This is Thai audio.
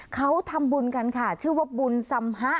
เขาทำบุญกันค่ะชื่อว่าบุญสำฮะ